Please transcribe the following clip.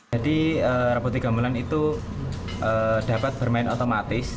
jadi robot tiga bulan itu dapat bermain otomatis